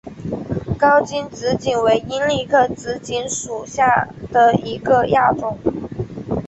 高茎紫堇为罂粟科紫堇属下的一个亚种。